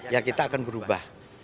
ya kita akan berubah